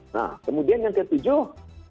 nah kemudian yang ketujuh